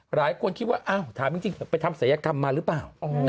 หลายคนคิดว่าอ้าวถามจริงไปทำศัยกรรมมาหรือเปล่า